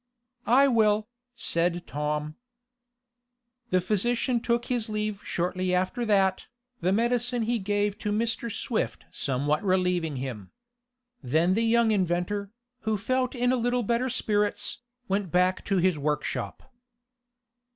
"I will," said Tom. The physician took his leave shortly after that, the medicine he gave to Mr. Swift somewhat relieving him. Then the young inventor, who felt in a little better spirits, went back to his workshop.